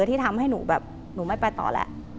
ที่ทำให้หนูแบบหนูไม่ไปต่อแล้ว